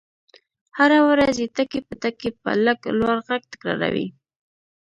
هره ورځ يې ټکي په ټکي په لږ لوړ غږ تکراروئ.